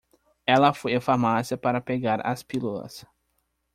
Ela foi à farmácia para pegar as pílulas.